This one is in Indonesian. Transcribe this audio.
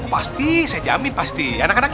pasti saya jamin pasti anak anak